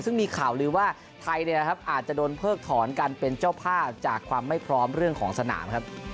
ซึ่งมีข่าวลือว่าไทยอาจจะโดนเพิกถอนการเป็นเจ้าภาพจากความไม่พร้อมเรื่องของสนามครับ